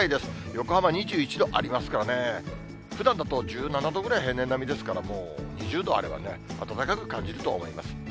横浜２１度ありますからね、ふだんだと１７度ぐらい、平年並みですから、もう２０度あればね、暖かく感じると思います。